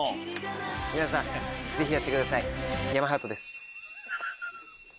皆さんぜひやってください。